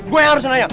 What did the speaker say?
gua yang harus nanya